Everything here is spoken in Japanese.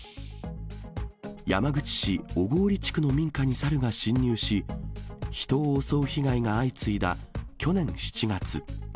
山口市小郡地区の民家に猿が侵入し、人を襲う被害が相次いだ去年７月。